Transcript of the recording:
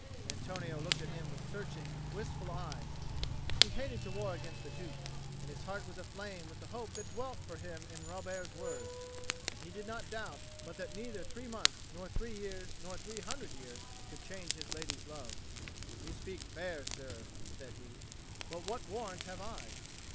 Antonio looked at him with searching wistful eyes; he hated to war against the Duke, and his heart was aflame with the hope that dwelt for him in Robert's words; for he did not doubt but that neither three months, nor three years, nor three hundred years, could change his lady's love. "You speak fair, sir," said he; "but what warrant have I?"